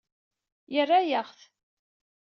Yerra-yaɣ-t.